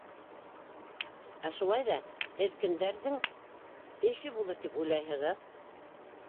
— Ә шулай ҙа һеҙ кемдәрҙең эше булыр тип уйлайһығыҙ?